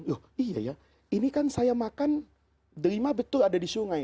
loh iya ya ini kan saya makan delima betul ada di sungai